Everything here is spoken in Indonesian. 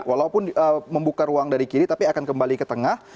walaupun membuka ruang dari kiri tapi akan kembali ke tengah